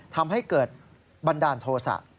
ทำให้เกิดบันดาลโทษะ